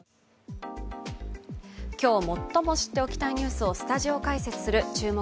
今日、最も知っておきたいニュースをスタジオ解説する「注目！